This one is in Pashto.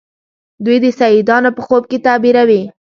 دوی د سیدانو په خوب کې تعبیروي.